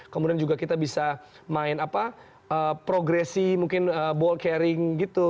kemudian juga kita bisa main apa progresi mungkin ball caring gitu